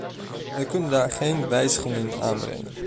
We kunnen daar geen wijzigingen in aanbrengen.